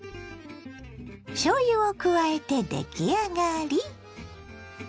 しょうゆを加えて出来上がり。